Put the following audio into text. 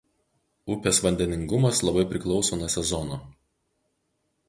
Upės vandeningumas labai priklauso nuo sezono.